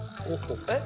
えっ？